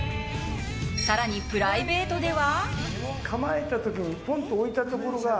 更にプライベートでは。